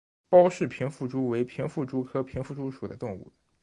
包氏平腹蛛为平腹蛛科平腹蛛属的动物。